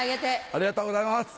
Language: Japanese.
ありがとうございます。